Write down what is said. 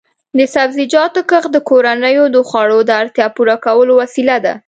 د سبزیجاتو کښت د کورنیو د خوړو د اړتیا پوره کولو وسیله ده.